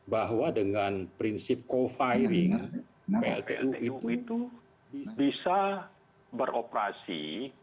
bahwa dengan prinsip co firing pltu itu bisa beroperasi